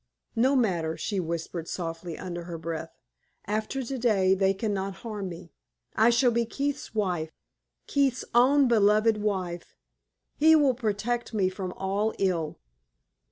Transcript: "No matter," she whispered softly under her breath; "after today they can not harm me. I shall be Keith's wife Keith's own beloved wife. He will protect me from all ill."